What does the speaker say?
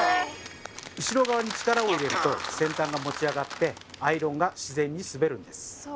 後ろに力を入れると先端が持ち上がってアイロンが自然に滑るんです。